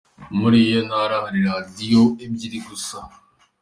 Muri iyo ntara hari Radiyo ebyiri gusa.